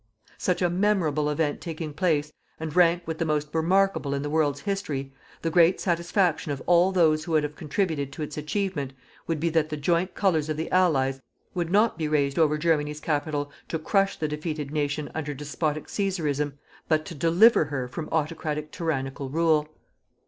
Such a memorable event taking place, and rank with the most remarkable in the world's history, the great satisfaction of all those who would have contributed to its achievement, would be that the joint Colours of the Allies would not be raised over Germany's capital to crush the defeated nation under despotic cæsarism, but to deliver her from autocratic tyrannical rule.